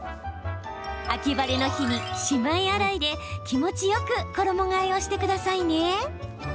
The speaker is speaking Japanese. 秋晴れの日に、しまい洗いで気持ちよく衣がえをしてくださいね。